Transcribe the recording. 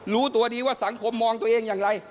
รู้ตัวดีว่าสังคมมองตัวเองอย่างไร